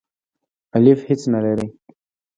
الیف هیڅ نه لری.